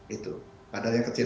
itu kadar nya kecil